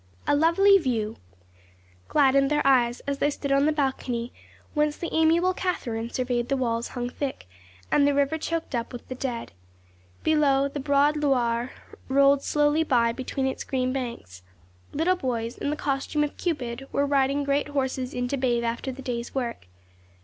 A lovely view gladdened their eyes as they stood on the balcony whence the amiable Catherine surveyed the walls hung thick, and the river choked up with the dead. Below, the broad Loire rolled slowly by between its green banks. Little boys, in the costume of Cupid, were riding great horses in to bathe after the day's work.